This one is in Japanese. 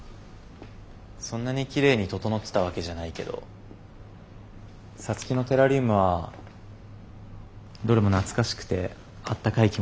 そんなにきれいに整ってたわけじゃないけど皐月のテラリウムはどれも懐かしくてあったかい気持ちになる。